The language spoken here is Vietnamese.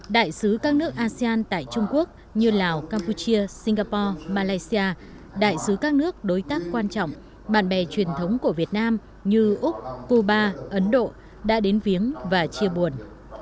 đại sứ các nước asean tại trung quốc như lào campuchia singapore malaysia đại sứ các nước đối tác quan trọng bạn bè truyền thống của việt nam như úc cuba ấn độ đã đến viếng và chia buồn